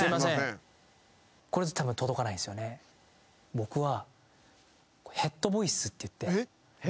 僕は。